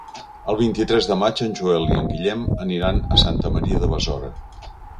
El vint-i-tres de maig en Joel i en Guillem aniran a Santa Maria de Besora.